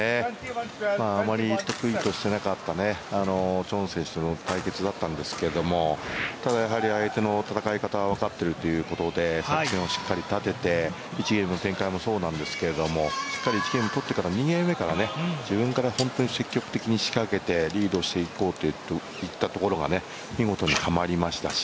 あまり得意としていなかったチョン選手との対決だったんですけどもただやはり相手の戦い方は分かっているということで作戦をしっかり立てて１ゲーム目の展開もそうなんですけどしっかり１ゲームとってから、２ゲーム目から自分から積極的に仕掛けてリードしていこうといったところが見事にはまりましたし